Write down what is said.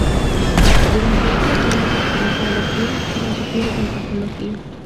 Durante esos años estudió teología, filosofía y antropología.